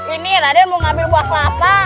ini raden mau ngambil buah kelapa